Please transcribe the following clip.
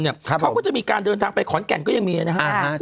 เขาก็จะมีการเดินทางไปขอนแก่นก็ยังมีนะครับ